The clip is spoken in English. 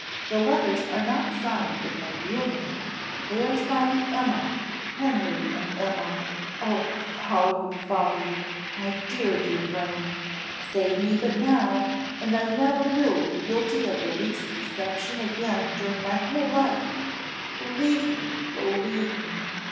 The letters are not signed with my real name, they are signed Emma Henry and Emma! Oh folly, folly! My dear, dear friend! save me but now, and I never will be guilty of the least deception again during my whole life; believe me, believe me!